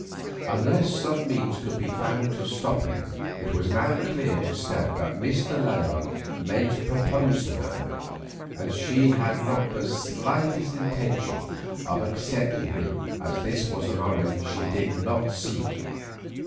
Unless some means could be found to stop him it was now clear to Stella that Mr. Layard meant to propose to her, and as she had not the slightest intention of accepting him this was an honour which she did not seek.